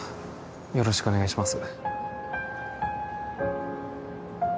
よろしくお願いします